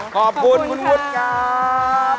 ขอบคุณคุณวุฒิครับ